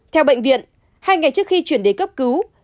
theo bệnh viện hai ngày trước khi chuyển đến cấp cứu